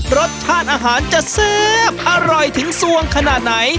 รสชาติอาหารจะแซ่บอร่อยถึงสวงขนาดไหน